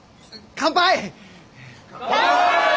乾杯！